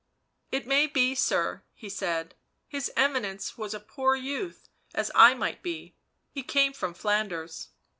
" It may be, sir," he said. " His Eminence was a poor youth as I might be; he came from Flanders."